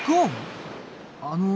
あの。